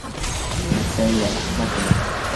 Наталья ӘХМӘТОВА: